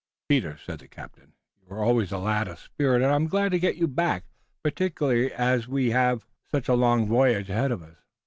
"Peter," said the captain, "you were always a lad of spirit, and I'm glad to get you back, particularly as we have such a long voyage ahead of us.